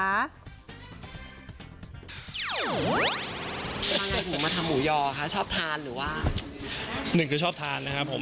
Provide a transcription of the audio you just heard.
ผมน่าจะอร่อยกว่านิดนึงเฮ้ยร้อนเล่นครับผม